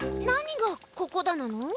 何が「ここだ！」なの？